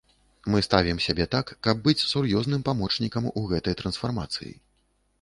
Мы ставім сябе так, каб быць сур'ёзным памочнікам у гэтай трансфармацыі.